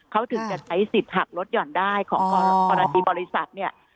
เขาถึงจะใช้สิทธิ์หักลดหย่อนได้ของกรณีบริษัทเนี่ย